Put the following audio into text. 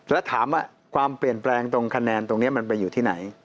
แล้วถามว่าความเปลี่ยนแปลงตรงคะแนนตรงนี้มันไปอยู่ที่ไหน